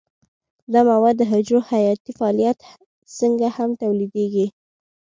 دا مواد د حجرو حیاتي فعالیت څخه هم تولیدیږي.